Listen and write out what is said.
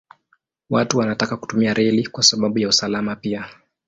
Watu wanataka kutumia reli kwa sababu ya usalama pia.